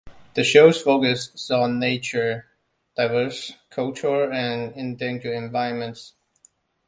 The show's focus is on nature, diverse cultures, and endangered environments.